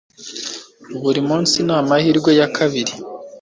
Buri munsi ni amahirwe ya kabiri.